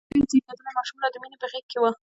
هغه نوی زيږدلی ماشوم لا د مينې په غېږ کې و.